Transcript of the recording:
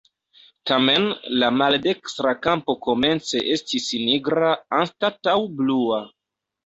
Tamen la maldekstra kampo komence estis nigra anstataŭ blua.